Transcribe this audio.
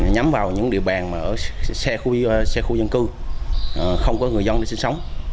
nhắm vào những địa bàn xe khu dân cư không có người dân để sinh sống